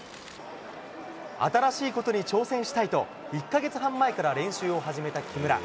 新しいことに挑戦したいと、１か月半前から練習を始めた木村。